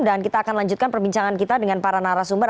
dan kita akan lanjutkan perbincangan kita dengan para narasumber